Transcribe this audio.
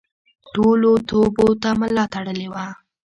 ټولو توبو ته ملا تړلې وه.